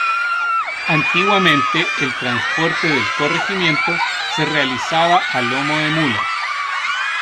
Antiguamente el transporte del corregimiento se realizaba a "lomo de mula".